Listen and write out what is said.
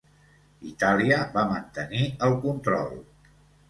Itàlia va mantenir el control.